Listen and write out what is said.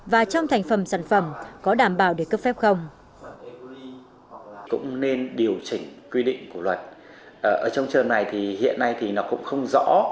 và trong thành phẩm sản phẩm có đảm bảo để cấp phép không